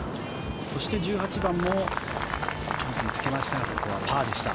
そして１８番もチャンスにつけましたがここはパーでした。